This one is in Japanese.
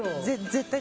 絶対！